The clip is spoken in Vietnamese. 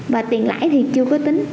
và tiền lãi thì chưa có tính